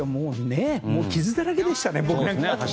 傷だらけでしたね。